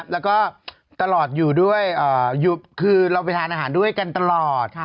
แล้วก็ตลอดอยู่ด้วยคือเราไปทานอาหารด้วยกันตลอด